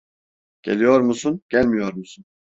Geliyor musun, gelmiyor musun?